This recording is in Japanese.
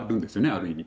ある意味。